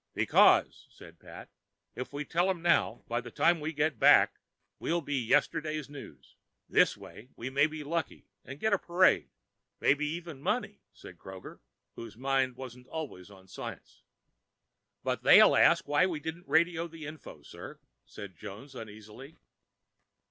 "Because," said Pat, "if we tell them now, by the time we get back we'll be yesterday's news. This way we may be lucky and get a parade." "Maybe even money," said Kroger, whose mind wasn't always on science. "But they'll ask why we didn't radio the info, sir," said Jones uneasily.